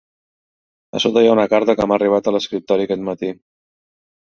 A sota hi ha una carta que m'ha arribat a l'escriptori aquest matí.